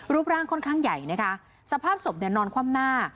รูปร่างค่อนข้างใหญ่นะคะสภาพศพเนี่ยนอนคว่ำหน้า